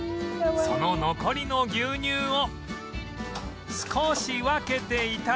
その残りの牛乳を少し分けて頂き